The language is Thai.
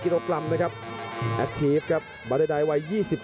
พยายามจะไถ่หน้านี่ครับการต้องเตือนเลยครับ